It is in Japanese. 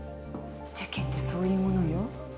世間ってそういうものよ